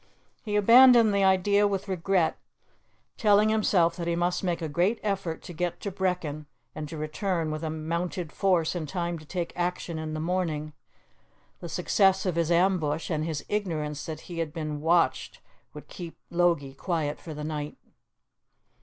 He abandoned the idea with regret, telling himself that he must make a great effort to get to Brechin and to return with a mounted force in time to take action in the morning. The success of his ambush and his ignorance that he had been watched would keep Logie quiet for the night.